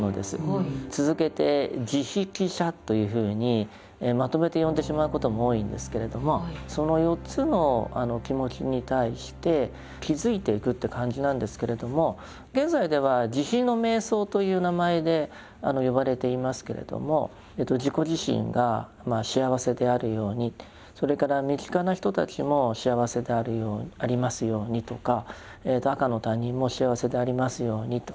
続けて「慈悲喜捨」というふうにまとめて呼んでしまうことも多いんですけれどもその４つの気持ちに対して気づいていくという感じなんですけれども現在では「慈悲の瞑想」という名前で呼ばれていますけれども自己自身が幸せであるようにそれから身近な人たちも幸せでありますようにとか赤の他人も幸せでありますようにと。